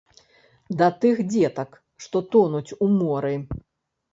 Да тых дзетак, што тонуць у моры.